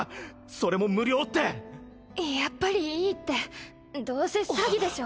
それも無料ってやっぱりいいってどうせ詐欺でしょ？